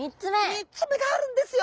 ３つ目があるんですよ！